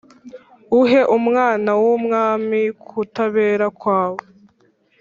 uhe umwana w’umwami kutabera kwawe.